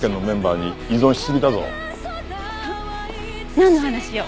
なんの話よ？